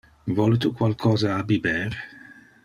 Vole tu qualcosa a biber?